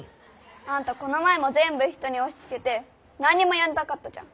あんたこの前もぜんぶ人におしつけてなんにもやらなかったじゃん。